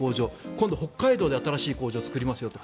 今度、北海道で新しい工場を作りますよと。